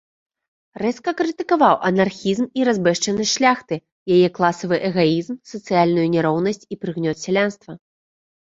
Рэзка крытыкаваў анархізм і разбэшчанасць шляхты, яе класавы эгаізм, сацыяльную няроўнасць і прыгнёт сялянства.